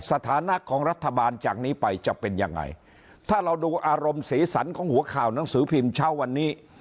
สถานะของรัฐบาลจากนี้ไปจะเป็นยังไงถ้าเราดูอารมณ์สีสันของหัวข่าวหนังสือพิมพ์เช้าวันนี้